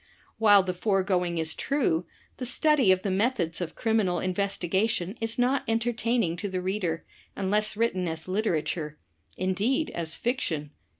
While the foregoing is true, the study of the methods of criminal investigation is not entertaining to the reader, unless written as literature, — indeed, as fiction.